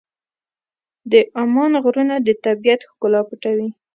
د عمان غرونه د طبیعت ښکلا پټوي.